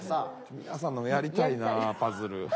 皆さんのもやりたいなパズル。